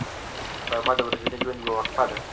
غرمه د ورځني ژوند یوه وقفه ده